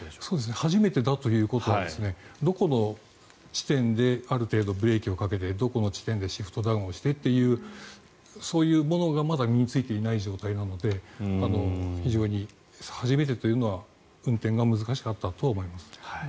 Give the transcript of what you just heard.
初めてだということはどこの地点である程度ブレーキをかけてどこの地点でシフトダウンをしてというそういうものがまだ身に着いていない状態なので非常に初めてというのは運転が難しかったとは思います。